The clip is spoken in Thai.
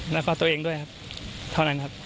แล้วก็ตัวเองด้วยครับเท่านั้นครับ